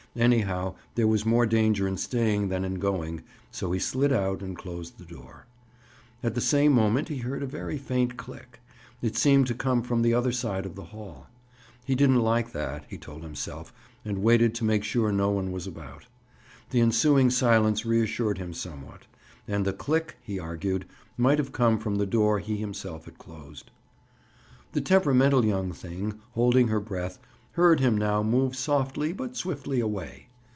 Anyhow, there was more danger in staying than in going, so he slid out and closed the door. At the same moment he heard a very faint click. It seemed to come from the other side of the hall. He didn't like that, he told himself, and waited to make sure no one was about. The ensuing silence reassured him somewhat; and the "click," he argued, might have come from the door he himself had closed. The temperamental young thing, holding her breath, heard him now move softly but swiftly away.